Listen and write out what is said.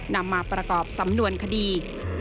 นำมาประกอบสำนวนคดี